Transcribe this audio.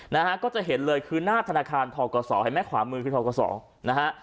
นะฮะก็จะเห็นเลยคือหน้าธนาคารทกศเห็นไหมขวามือคือทกศนะฮะ